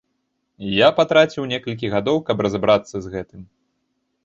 Я патраціў некалькі гадоў, каб разабрацца з гэтым.